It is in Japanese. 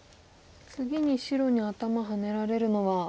次に白に頭ハネられるのは。